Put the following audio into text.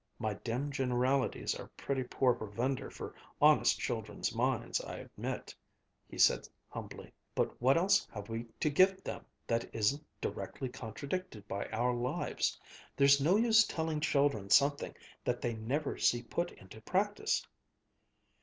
"My dim generalities are pretty poor provender for honest children's minds, I admit," he said humbly, "but what else have we to give them that isn't directly contradicted by our lives? There's no use telling children something that they never see put into practice."